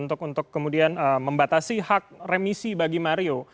untuk kemudian membatasi hak remisi bagi mario